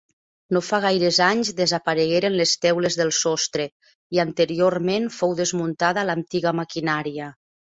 No fa gaires anys desaparegueren les teules del sostre, i, anteriorment, fou desmuntada l'antiga maquinària.